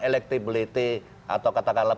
electability atau katakanlah